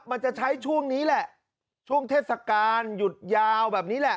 มันจะใช้ช่วงนี้แหละช่วงเทศกาลหยุดยาวแบบนี้แหละ